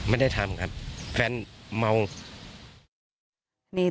ไม่ได้ทำครับแฟนเหมือนเงิน